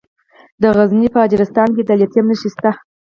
د غزني په اجرستان کې د لیتیم نښې شته.